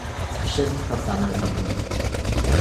"Wszystko same zabójce."